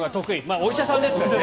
お医者さんですもんね。